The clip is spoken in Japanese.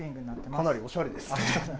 かなりおしゃれですね。